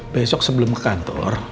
besok sebelum ke kantor